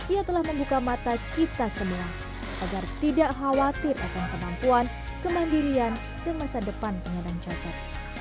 ia telah membuka mata kita semua agar tidak khawatir akan kemampuan kemandirian dan masa depan penyandang cacat